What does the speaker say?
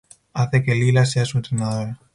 Hace que Leela sea su entrenadora.